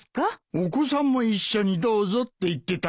「お子さんも一緒にどうぞ」って言ってたし大丈夫だろう。